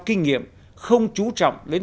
kinh nghiệm không trú trọng đến